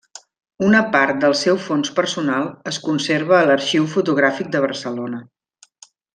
Una part del seu fons personal es conserva a l'Arxiu Fotogràfic de Barcelona.